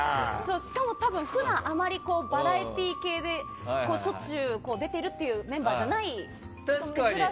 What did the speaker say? しかも、普段あまりバラエティー系でしょっちゅう出ているメンバーじゃない確かに。